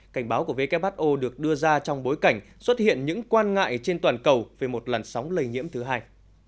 cảnh báo của who được đưa ra trong bối cảnh xuất hiện những quan ngại trên toàn cầu về một làn sóng lây nhiễm thứ hai